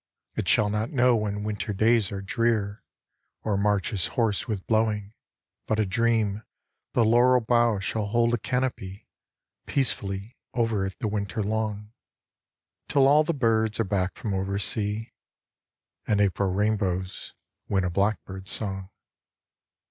It shall not know when winter days are drear Or March is hoarse with blowing. But a dream The laurel boughs shall hold a canopy Peacefully over it the winter long, Till all the birds are back from oversea. And April rainbows win a blackbird's song.